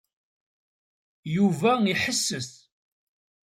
Yuba iḥesses.